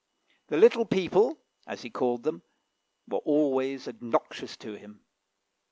"The little people," as he called them, were always obnoxious to him.